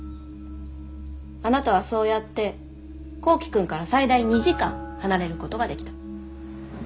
あなたはそうやって幸希くんから最大２時間離れることができた。